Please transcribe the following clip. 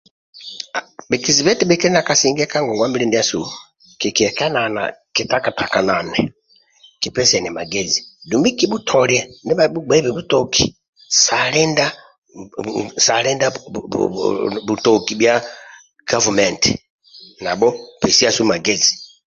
Bhikiziba eti bhikili na kasinge ka ngogwabili ndiasu yoho kikiekanana kitakatanane kipesiane magezi dumbi kibhutolie ndibha bhugbeibe butoki sa linda butoki bhia gavumenti nabho pesiasu magezi